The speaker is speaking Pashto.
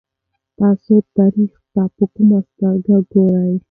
تاسو تاریخ ته په کومه سترګه ګورئ؟